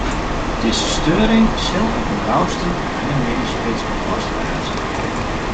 Dizze steuring sil op 'en gausten nei de middeisspits oplost wêze.